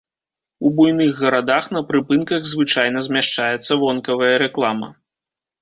У буйных гарадах на прыпынках звычайна змяшчаецца вонкавая рэклама.